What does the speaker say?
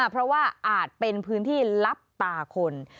เพราะว่าอาจเป็นพื้นที่ลับตาคน